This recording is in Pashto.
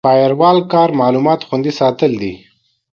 د فایروال کار معلومات خوندي ساتل دي.